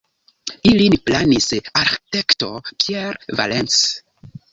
Ilin planis arĥitekto Pierre Valence.